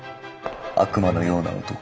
悪魔のような男。